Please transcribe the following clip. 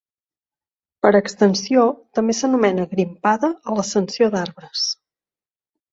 Per extensió, també s'anomena grimpada a l'ascensió d'arbres.